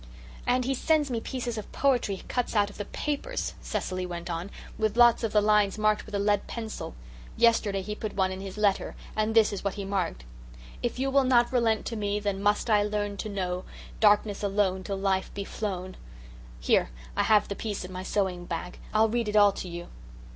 "And he sends me pieces of poetry he cuts out of the papers," Cecily went on, "with lots of the lines marked with a lead pencil. Yesterday he put one in his letter, and this is what he marked: "'If you will not relent to me Then must I learn to know Darkness alone till life be flown. Here I have the piece in my sewing bag I'll read it all to you."